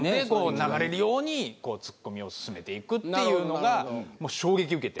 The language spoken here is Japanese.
流れるようにツッコミを進めていくっていうのが衝撃受けて。